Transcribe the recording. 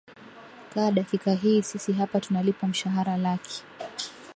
ka dakika hii sisi hapa tunalipwa mshahara laki